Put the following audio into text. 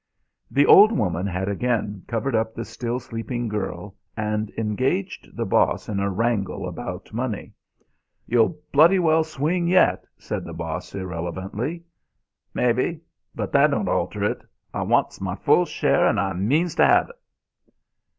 The old woman had again covered up the still sleeping girl and engaged the Boss in a wrangle about money. "You'll bloody well swing yet," said the Boss irrelevantly. "Mebbe; but that don't alter it. I wants my full share 'n I means to 'av' it."